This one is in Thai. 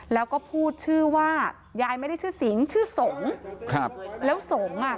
แล้วก็พูดชื่อว่ายายไม่ได้ชื่อสิงห์ชื่อสงฆ์ครับแล้วสงฆ์อ่ะ